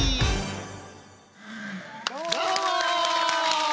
どうも！